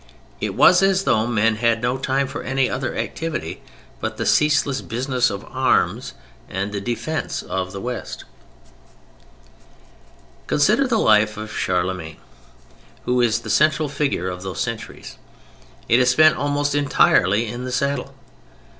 It was as though men had no time for any other activity but the ceaseless business of arms and of the defence of the West. Consider the life of Charlemagne, who is the central figure of those centuries. It is spent almost entirely in the saddle.